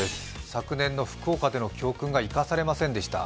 昨年の福岡での教訓が生かされませんでした。